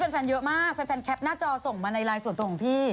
แฟนเยอะมากแฟนแคปหน้าจอส่งมาในไลน์ส่วนตัวของพี่